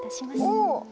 お。